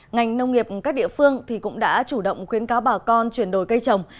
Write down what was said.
ngành nông nghiệp các địa phương cũng đã chủ động khuyến cáo bà con chuyển đổi cây trồng